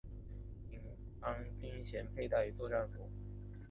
领章军衔佩戴于作训服。